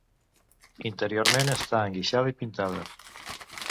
Interiorment està enguixada i pintada.